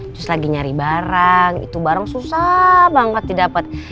cus lagi nyari barang itu barang susah banget didapet